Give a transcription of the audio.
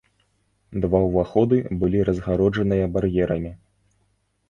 Два ўваходы былі разгароджаныя бар'ерамі.